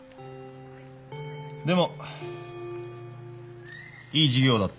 でもいい授業だったよ。